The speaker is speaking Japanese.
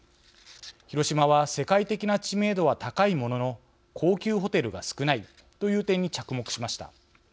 広島は世界的な知名度は高いものの高級ホテルが少ないという点に着目しました。